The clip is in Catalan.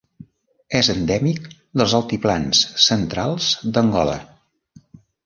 És endèmic dels altiplans centrals d'Angola.